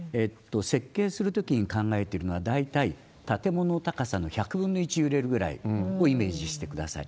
設計するときに考えてるのは、大体建物の高さの１００分の１揺れるぐらいをイメージしてください。